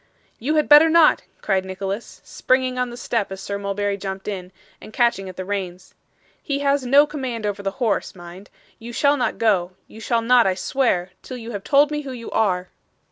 'You had better not,' cried Nicholas, springing on the step as Sir Mulberry jumped in, and catching at the reins. 'He has no command over the horse, mind. You shall not go you shall not, I swear till you have told me who you are.